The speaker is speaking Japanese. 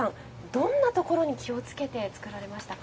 どんなところに気を付けて作られましたか？